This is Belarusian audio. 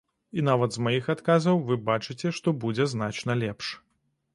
І нават з маіх адказаў вы бачыце, што будзе значна лепш.